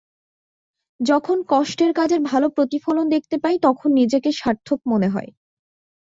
যখন কষ্টের কাজের ভালো প্রতিফলন দেখতে পাই, তখন নিজেকে সার্থক মনে হয়।